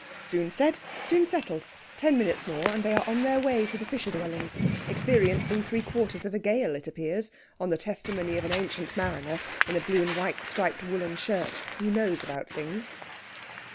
Soon said, soon settled. Ten minutes more, and they are on their way to the fisher dwellings: experiencing three quarters of a gale, it appears, on the testimony of an Ancient Mariner in a blue and white striped woollen shirt, who knows about things.